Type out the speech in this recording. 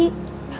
kakak kaget dong